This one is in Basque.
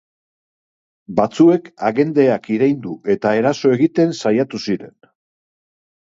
Batzuek agenteak iraindu eta eraso egiten saiatu ziren.